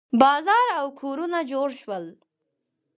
بازار او کورونه جوړ شول.